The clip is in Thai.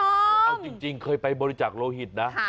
เอาจริงเคยไปบริจักษ์โลหิตนะ